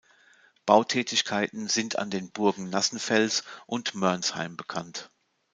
Bautätigkeiten sind an den Burgen Nassenfels und Mörnsheim bekannt.